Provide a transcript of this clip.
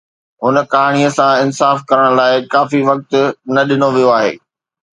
هن ڪهاڻي سان انصاف ڪرڻ لاء ڪافي وقت نه ڏنو ويو آهي